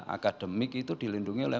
akademik itu dilindungi oleh